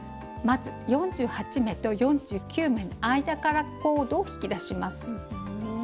まず４８目と４９目の間からコードを引き出します。